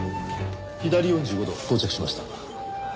左４５度到着しました。